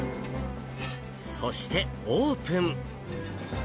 そしてオープン。